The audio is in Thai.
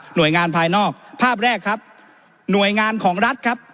โดยงานภายนอกภาพแรกครับหน่วยงานของรัฐครับ